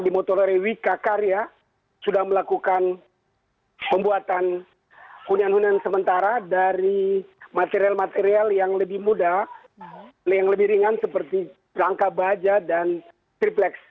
di motorari wika karya sudah melakukan pembuatan hunian hunian sementara dari material material yang lebih muda yang lebih ringan seperti rangka baja dan triplex